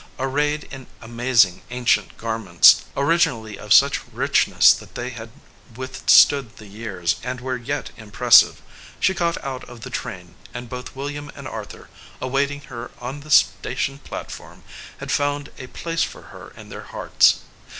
Arrayed in amazing ancient garments, originally of such richness that they had withstood the years and were yet impressive, she got out of the train, and both William and Arthur, awaiting her on the station platform, had found a place for her in their hearts.